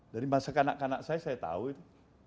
dari masa kanak kanak saya saya tahu itu